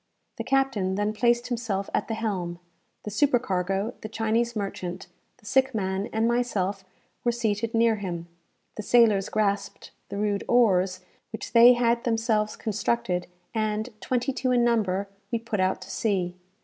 The captain then placed himself at the helm; the supercargo, the Chinese merchant, the sick man, and myself were seated near him; the sailors grasped the rude oars which they had themselves constructed; and, twenty two in number, we put out to sea.